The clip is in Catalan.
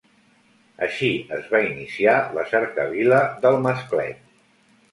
Així es va iniciar la Cercavila del Masclet.